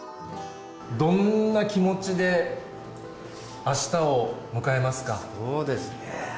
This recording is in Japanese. どんな気持ちであしたを迎えそうですね。